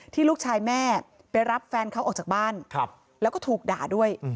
ลูกชายแม่ไปรับแฟนเขาออกจากบ้านแล้วก็ถูกด่าด้วย